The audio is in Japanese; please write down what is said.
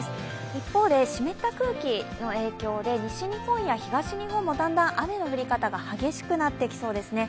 一方で、湿った空気の影響で西日本や東日本もだんだん雨の降り方が激しくなりそうですね。